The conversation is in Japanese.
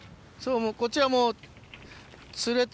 こっちはもう釣れて。